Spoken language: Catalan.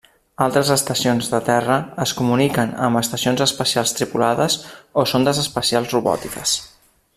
Altres estacions de terra es comuniquen amb estacions espacials tripulades o sondes espacials robòtiques.